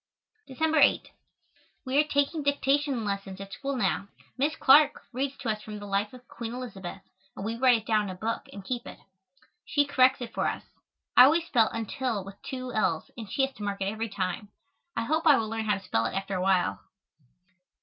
December 8. We are taking dictation lessons at school now. Miss Clark reads to us from the "Life of Queen Elizabeth" and we write it down in a book and keep it. She corrects it for us. I always spell "until" with two l's and she has to mark it every time. I hope I will learn how to spell it after a while.